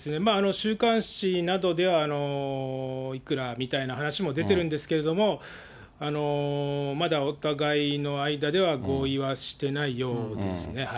週刊誌などではいくらみたいな話も出てるんですけれども、まだお互いの間では合意はしてないようですね。